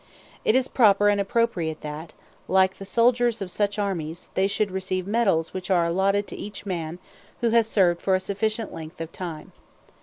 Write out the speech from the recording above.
It is proper and appropriate that, like the soldiers of such armies, they should receive medals which are allotted each man who has served for a sufficient length of time.